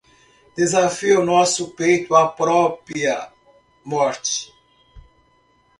Desafia o nosso peito a própria morte!